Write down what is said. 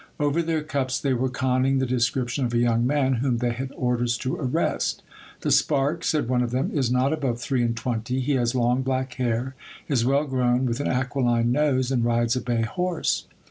Over their cups they were conning the descrip tion of a young man, whom they had orders to arrest. The spark, said one of them, is not above three and twenty : he has long black hair, is well grown, with an aquiline nose, and rides a bay horse.